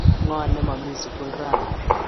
Ng'o ne momi sukul rani?